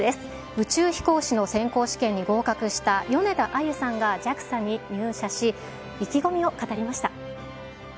宇宙飛行士の選考試験に合格した米田あゆさんがＪＡＸＡに入社し、意気込みを語りました。